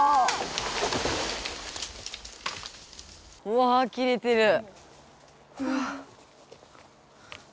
うわ切れてる！